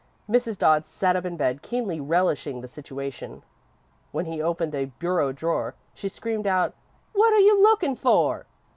Mrs. Dodd sat up in bed, keenly relishing the situation. When he opened a bureau drawer, she screamed out: "What are you looking for?"